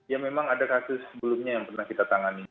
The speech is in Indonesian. ya memang ada kasus sebelumnya yang pernah kita tangani